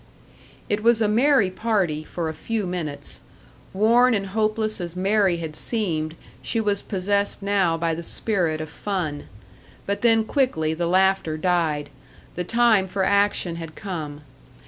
It was a merry party for a few minutes; worn and hopeless as Mary had seemed, she was possessed now by the spirit of fun. But then quickly the laughter died. The time for action had come.